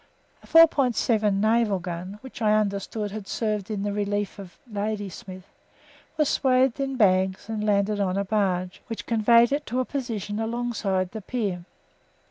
A 4.7 naval gun, which, I understand, had served in the relief of Ladysmith, was swathed in bags and landed on a barge, which conveyed it to a position alongside the pier.